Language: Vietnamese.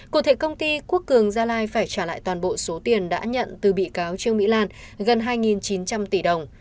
cụ thể công ty quốc cường gia lai phải trả lại toàn bộ số tiền đã nhận từ bị cáo trương mỹ lan gần hai chín trăm linh tỷ đồng